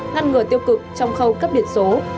ngăn ngừa tiêu cực trong khâu cấp biển số